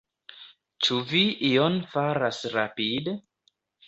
Ĉu vi ion faras rapide?